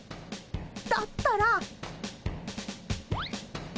だったら。